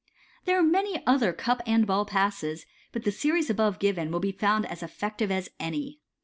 There are many other cup and ball Passes, but the series above given will be found as eff< ctive as any.